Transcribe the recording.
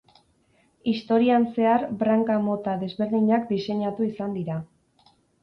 Historian zehar branka mota desberdinak diseinatu izan dira.